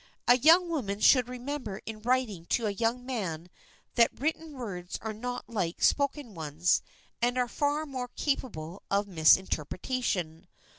A young woman should remember in writing to a young man that written words are not like spoken ones and are far more capable of misinterpretation.